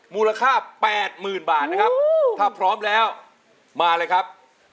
มูลค่า๘๐๐๐บาทนะครับถ้าพร้อมแล้วมาเลยครับ